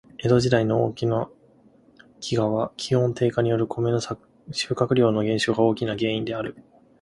江戸時代の大きな飢饉は、気温低下によるコメの収穫量減少が大きな原因である。